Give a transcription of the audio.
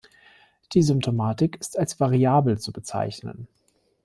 Die Symptomatik ist als variabel zu bezeichnen.